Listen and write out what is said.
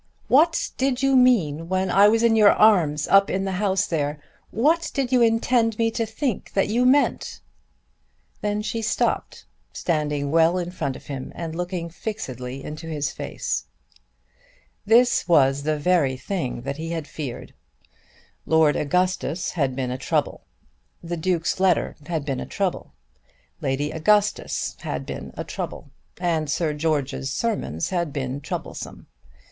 What did you mean when I was in your arms up in the house there? What did you intend me to think that you meant?" Then she stopped, standing well in front of him, and looking fixedly into his face. This was the very thing that he had feared. Lord Augustus had been a trouble. The Duke's letter had been a trouble. Lady Augustus had been a trouble; and Sir George's sermons had been troublesome.